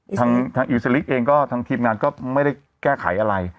ทางอิวสลิกเองก็ทางทีมงานก็ไม่ได้แก้ไขอะไร